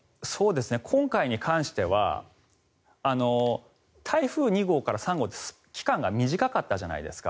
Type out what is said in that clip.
今回に関しては台風２号から３号って期間が短かったじゃないですか。